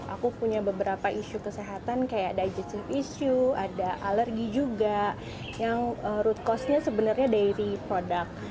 aku punya beberapa isu kesehatan kayak digitive issue ada alergi juga yang root cost nya sebenarnya daily product